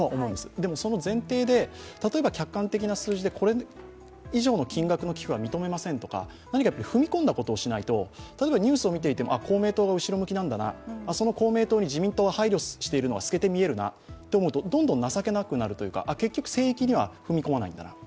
でもその前提で例えば、客観的な数字でこれ以上の金額の寄付は認めませんとか、何か踏み込んだことをしないと、例えばニュースを見ていても公明党は後ろ向きなんだな、その公明党に自民党が配慮しているのが透けて見えるなと思うと、どんどん情けなくなるというか、結局、聖域には踏み込まないんだなと。